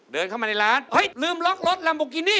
เดินเข้ามาในร้านเฮ้ยลืมล็อกรถลัมโบกินี่